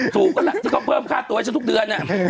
สูกก็แหละก็เพิ่มค่าตัวชะทุกเดือน